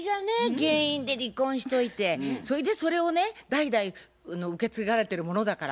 原因で離婚しといてそれでそれをね「代々受け継がれてるものだから」。